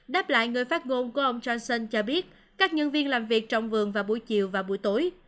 đáp lại người phát ngôn của ông johnson cho biết các nhân viên làm việc trong vườn vào buổi chiều và buổi tối